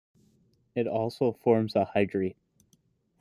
It also forms a hydrate.